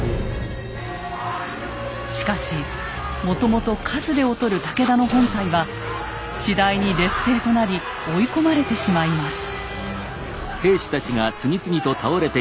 しかしもともと数で劣る武田の本隊は次第に劣勢となり追い込まれてしまいます。